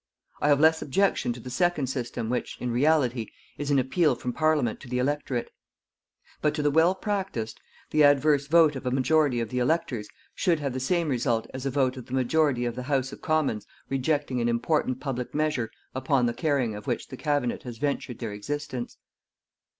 I have less objection to the second system which, in reality, is an appeal from Parliament to the Electorate. But to the well practised, the adverse vote of a majority of the electors should have the same result as a vote of the majority of the House of Commons rejecting an important public measure upon the carrying of which the Cabinet has ventured their existence.